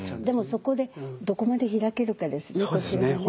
でもそこでどこまで開けるかですね。